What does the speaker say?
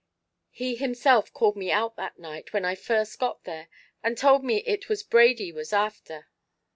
He himself called me out that night when I first got there, and tould me what it was Brady was afther.